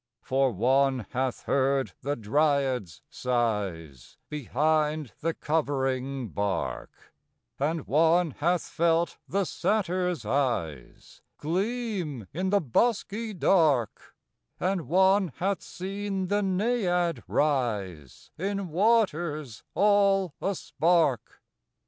For one hath heard the dryad's sighs Behind the covering bark; And one hath felt the satyr's eyes Gleam in the bosky dark; And one hath seen the naiad rise In waters all a spark.